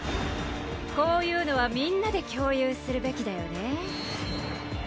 こういうのはみんなで共有するべきだよね。